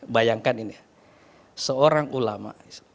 bayangkan ini seorang ulama